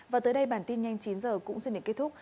và tới đây bản tin nhanh chín h cũng xin đến kết thúc